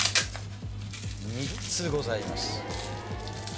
３つございます。